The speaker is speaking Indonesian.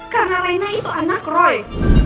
karena reina itu anak roy